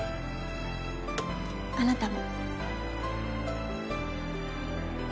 あなたも。